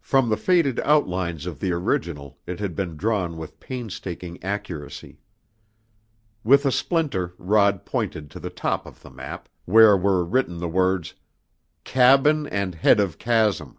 From the faded outlines of the original it had been drawn with painstaking accuracy. With a splinter Rod pointed to the top of the map, where were written the words, "Cabin and head of chasm."